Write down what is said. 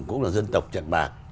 cũng là dân tộc trận mạc